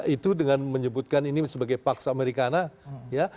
itu dengan menyebutkan ini sebagai paks amerikanah